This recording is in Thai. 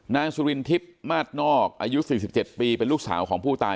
นางสุรินทิพย์มาสนอกอายุ๔๗ปีเป็นลูกสาวของผู้ตาย